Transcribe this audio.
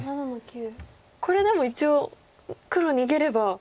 これでも一応黒逃げれば。